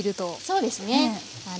そうですね。